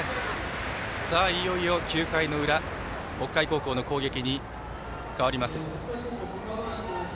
いよいよ９回の裏北海高校の攻撃に変わります。